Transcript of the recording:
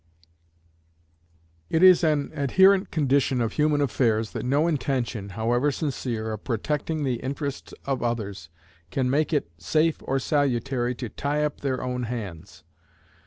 It is an adherent condition of human affairs that no intention, however sincere, of protecting the interests of others can make it safe or salutary to tie up their own hands.